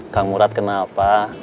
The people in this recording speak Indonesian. kang murad kenapa